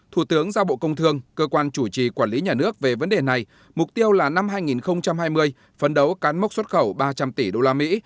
thủ tướng giao bộ công thương cơ quan chủ trì quản lý nhà nước về vấn đề này mục tiêu là năm hai nghìn hai mươi phấn đấu cán mốc xuất khẩu ba trăm linh tỷ đô la mỹ